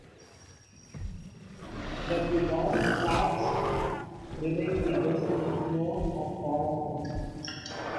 But the Wharf Rats remain the best known of all of them.